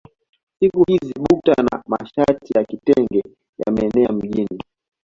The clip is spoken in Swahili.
Siku hizi bukta na mashati ya kitenge yameenea mjini